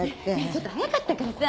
ちょっと早かったからさ。